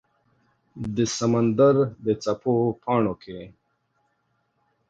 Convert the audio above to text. د سمندردڅپو پاڼو کې